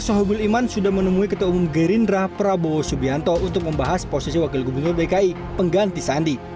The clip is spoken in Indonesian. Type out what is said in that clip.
sohobul iman sudah menemui ketua umum gerindra prabowo subianto untuk membahas posisi wakil gubernur dki pengganti sandi